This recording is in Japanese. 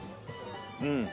うん。